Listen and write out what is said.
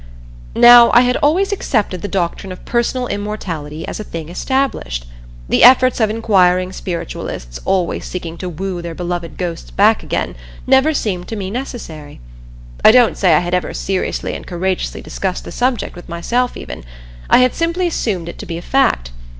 Now I had always accepted the doctrine of personal immortality as a thing established. The efforts of inquiring spiritualists, always seeking to woo their beloved ghosts back again, never seemed to me necessary. I don't say I had ever seriously and courageously discussed the subject with myself even; I had simply assumed it to be a fact.